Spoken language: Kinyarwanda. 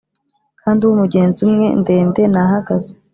kandi ube umugenzi umwe, ndende nahagaze